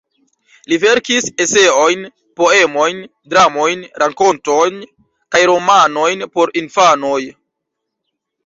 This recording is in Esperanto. Li verkis eseojn, poemojn, dramojn, rakontojn kaj romanojn por infanoj.